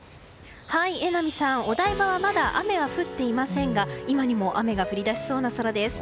榎並さん、お台場はまだ雨は降っていませんが今にも雨が降り出しそうな空です。